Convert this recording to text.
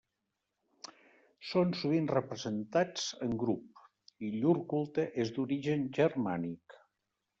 Són sovint representats en grup, i llur culte és d'origen germànic.